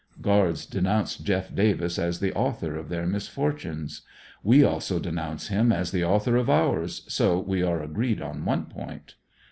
Guards denounce Jeff Davis as the author of their misfortunes. We also denounce him as the author of ours, so we are agreed on one point.